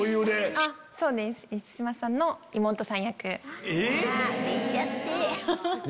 満島さんの妹さん役。